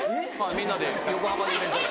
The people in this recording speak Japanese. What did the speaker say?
みんなで横浜でイベント。